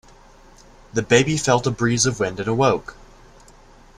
The baby felt a breeze of wind and awoke.